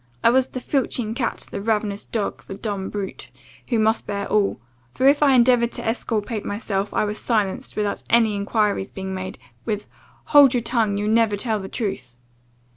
I was the filching cat, the ravenous dog, the dumb brute, who must bear all; for if I endeavoured to exculpate myself, I was silenced, without any enquiries being made, with 'Hold your tongue, you never tell truth.